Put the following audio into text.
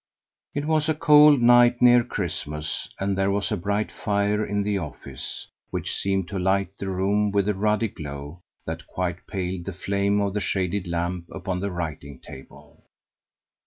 It was a cold night, near Christmas, and there was a bright fire in the office, which seemed to light the room with a ruddy glow that quite paled the flame of the shaded lamp upon the writing table.